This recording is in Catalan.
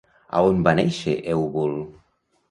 A on va néixer Eubul?